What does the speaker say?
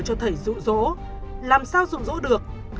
cho thầy rụ rỗ làm sao rụ rỗ được